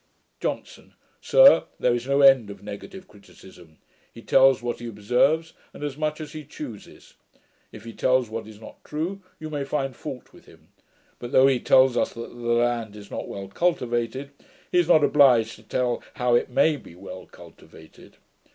JOHNSON. 'Sir, there is no end of negative criticism. He tells what he observes, and as much as he chooses. If he tells what is not true, you may find fault with him; but, though he tells that the land is not well cultivated, he is not obliged to tell how it may be well cultivated.